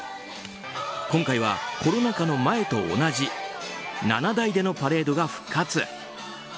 今回は、コロナ禍の前と同じ７台でのパレードが復活。